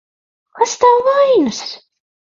Kas tev vainas?